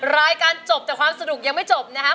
รายการจบแต่ความสนุกยังไม่จบนะครับ